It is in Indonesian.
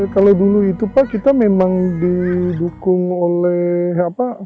kalau dulu itu pak kita memang didukung oleh apa